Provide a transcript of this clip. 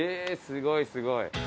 すごいすごい。